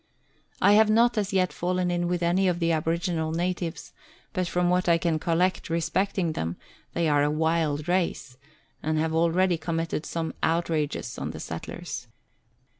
I have not as yet fallen in with any of the aboriginal natives, but from what I can collect respecting them, they are a wild race, and have already committed some outrages on the settlers.